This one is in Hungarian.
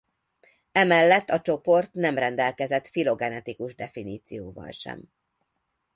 Emellett a csoport nem rendelkezett filogenetikus definícióval sem.